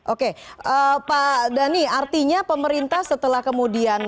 oke pak dhani artinya pemerintah setelah kemudian